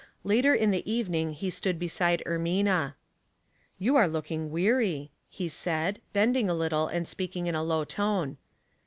Later in the evening he stood beside Ermiua. " You are looking weary," he said, bending a little and speaking in a low tone.